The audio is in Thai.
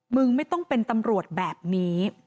มึงไม่ต้องเป็นตำรวจแบบนี้